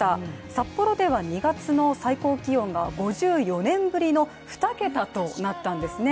札幌では２月の最高気温が５４年ぶりの２桁となったんですね。